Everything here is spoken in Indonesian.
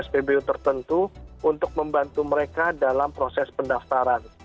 spbu tertentu untuk membantu mereka dalam proses pendaftaran